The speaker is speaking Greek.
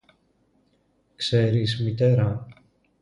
Ξέρεις, Μητέρα;